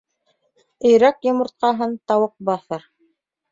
Өйрәк йомортҡаһын тауыҡ баҫыр.